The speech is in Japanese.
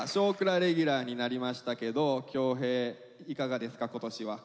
レギュラーになりましたけど恭平いかがですか今年は。